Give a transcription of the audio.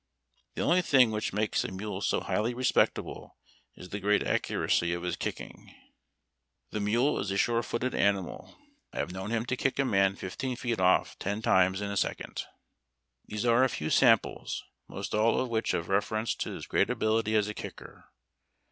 " The only thing which makes a mule so highly respectable is the great accuracy of his kicking." "The mule is a sure footed animal. I have known THE ARMY MULE. 289 him to kick a man fifteen feet off ten times in a second." These are a few samples, most all of which have reference to his great ability as a kicker.